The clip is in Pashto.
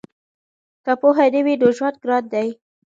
که پوهه نه وي نو ژوند ګران دی.